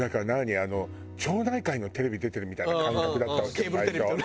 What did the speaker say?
あの町内会のテレビ出てるみたいな感覚だったわけ最初。